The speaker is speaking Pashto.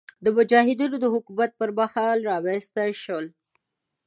مجاهدینو د حکومت پر مهال رامنځته شول.